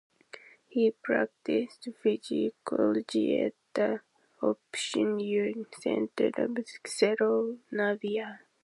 He practiced psychology at the Option Youth Center of Cerro Navia.